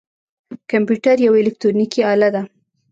کمپیوټر یوه الکترونیکی آله ده